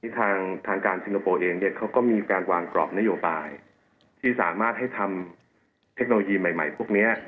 ทางการสิงคโปร์เองเนี่ยเขาก็มีการวางกรอบนโยบายที่สามารถให้ทำเทคโนโลยีใหม่ใหม่พวกนี้